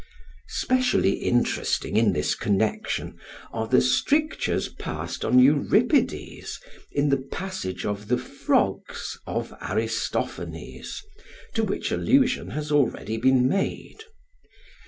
Specially interesting in this connection are the strictures passed on Euripides in the passage of the "Frogs" of Aristophanes to which allusion has already been made.